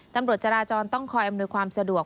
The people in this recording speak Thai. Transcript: ตำรวจจราจรต้องคอยอำนวยความสะดวก